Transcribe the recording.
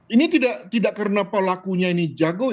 ini tidak karena pelakunya ini jago